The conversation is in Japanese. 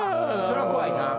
それは怖いな。